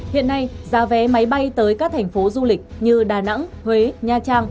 hiện nay giá vé máy bay tới các thành phố du lịch như đà nẵng huế nha trang